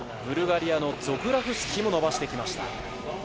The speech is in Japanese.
ブルガリアのゾグラフスキーも伸びてきました。